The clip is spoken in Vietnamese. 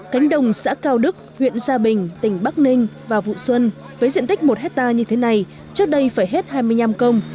cánh đồng xã cao đức huyện gia bình tỉnh bắc ninh vào vụ xuân với diện tích một hectare như thế này trước đây phải hết hai mươi năm công